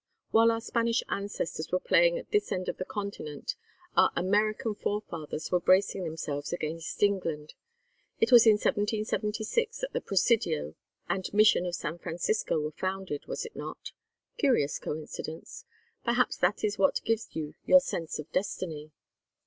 "While our Spanish ancestors were playing at this end of the continent, our 'American' forefathers were bracing themselves against England. It was in 1776 that the Presidio and Mission of San Francisco were founded, was it not? Curious coincidence. Perhaps that is what gives you your sense of destiny."